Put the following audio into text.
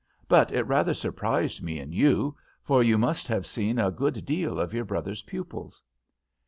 But it rather surprised me in you, for you must have seen a good deal of your brother's pupils."